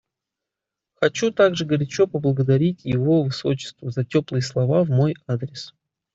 Хочу также горячо поблагодарить Его Высочество за теплые слова в мой адрес.